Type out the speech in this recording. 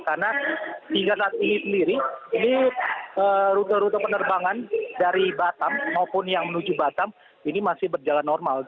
karena hingga saat ini sendiri ini rute rute penerbangan dari batam maupun yang menuju batam ini masih berjalan normal